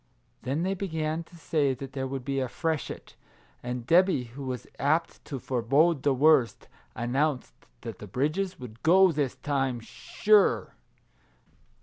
Then they began to say that there would be a freshet, and Debby, who was apt to forebode the worst, announced that the bridges would go this time, sure